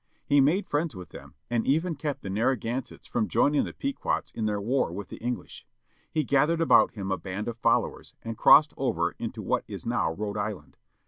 He made friends with them, and even kept the Narragansetts from joining the Pequots in their war with the English. He gathered about him a band of followers, and crossed over into what is now Rhode Island.